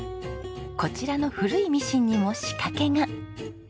こちらの古いミシンにも仕掛けが。